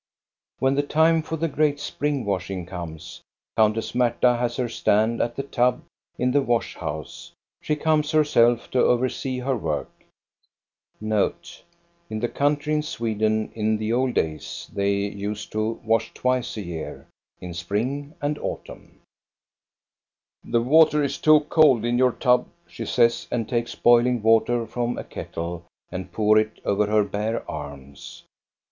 When the time for the great spring washing comes,^ Countess Marta has her stand at the tub in the wash house. She comes herself to oversee her work. «^ In the country, in Sweden, they wash twice a year, in spring and autumn. 18 274 THE STORY OF GiJSTA BE RUNG " The water is too cold in your tub," she says, and takes boiling water from a kettle and pours it over her bare arms.